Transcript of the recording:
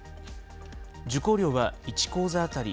受講料は１講座当たり